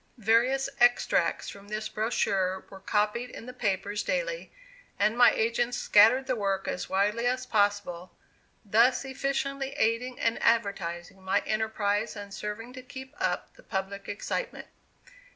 Various extracts from this brochure were copied in the papers daily, and my agents scattered the work as widely as possible, thus efficiently aiding and advertising my enterprise and serving to keep up the public excitement.